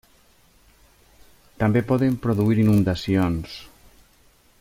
També poden produir inundacions.